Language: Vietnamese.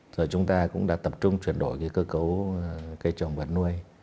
rồi chúng ta cũng đã tập trung chuyển đổi cơ cấu cây trồng vật nuôi